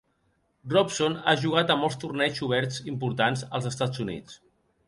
Robson ha jugat a molts torneigs oberts importants als Estats Units.